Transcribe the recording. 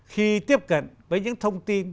khi tiếp cận với những thông tin